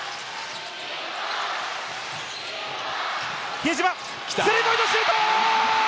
比江島、スリーポイントシュート！